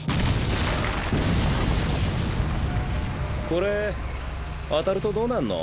これ当たるとどうなんの？